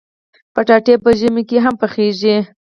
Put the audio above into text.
کچالو په ژمي کې هم پخېږي